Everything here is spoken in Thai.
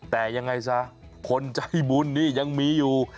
แต่ยังไงซะคนใจบุญนี่ยังมีอยู่